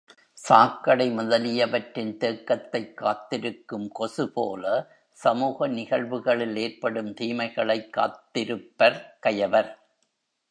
சாக்கடை முதலியவற்றின் தேக்கத்தைக் காத்திருக்கும் கொசு போல, சமூக நிகழ்வுகளில் ஏற்படும் தீமைகளைக் காத்திருப்பர் கயவர்.